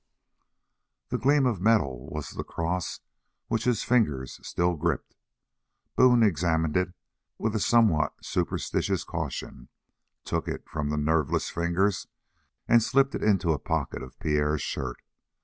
The gleam of metal was the cross which his fingers still gripped. Boone examined it with a somewhat superstitious caution, took it from the nerveless fingers, and slipped it into a pocket of Pierre's shirt.